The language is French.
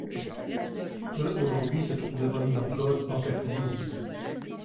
peut aujourd’hui se trouver remise en cause en catimini.